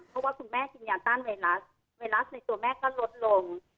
เพราะว่าคุณแม่กินยาต้านไวรัสไวรัสในตัวแม่ก็ลดลง